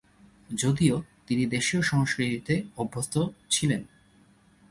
যদিও তিনি দেশীয় সংস্কৃতিতে অভ্যস্ত ছিলেন।